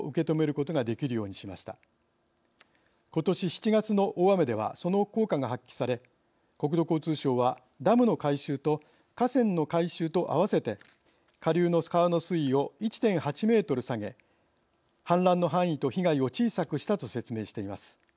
ことし７月の大雨ではその効果が発揮され国土交通省は、ダムの改修と河川の改修とあわせて下流の川の水位を１．８メートル下げ氾濫の範囲と被害を小さくしたと説明しています。